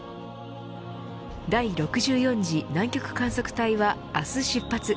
第６４次南極観測隊は明日出発。